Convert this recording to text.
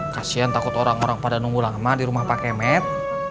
kasian takut orang orang pada nunggu lama di rumah pakai med